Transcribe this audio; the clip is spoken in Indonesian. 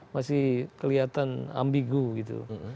masih kelihatan ambigu gitu